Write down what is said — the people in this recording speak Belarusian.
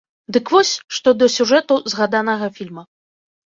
Дык вось, што да сюжэту згаданага фільма.